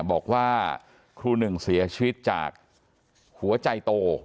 บอกว่าครูหนึ่งเสียชีวิตจากหัวใจโต